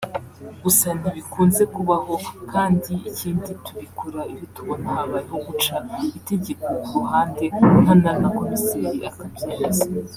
Gusa ntibikunze kubaho kandi ikindi tubikora iyo tubona habayeho guca itegeko ku ruhande nkana na komiseli akabyemeza